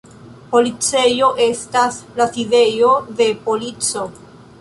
Policejo estas la sidejo de polico.